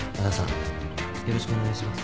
よろしくお願いします。